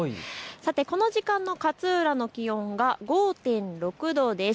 この時間の勝浦の気温が５．６度です。